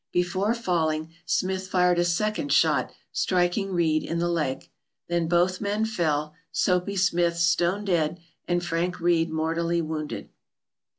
Before falling, Smith fired a second shot, striking Reid in the leg. Then both men fell, Soapy Smith stone dead and Frank Reid mortally wounded.